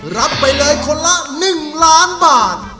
รับไปเลยคนละหนึ่งล้านบาท